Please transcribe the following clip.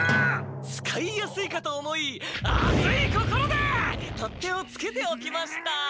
使いやすいかと思い熱い心で取っ手をつけておきました！